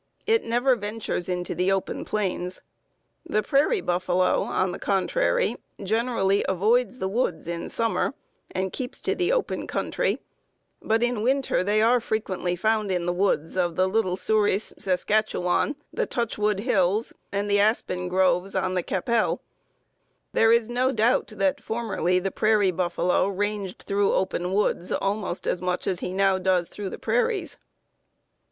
It never ventures into the open plains. The prairie buffalo, on the contrary, generally avoids the woods in summer and keeps to the open country; but in winter they are frequently found in the woods of the Little Souris, Saskatchewan, the Touchwood Hills, and the aspen groves on the Qu'Appelle. There is no doubt that formerly the prairie buffalo ranged through open woods almost as much as he now does through the prairies."